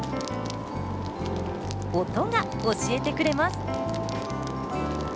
音が教えてくれます。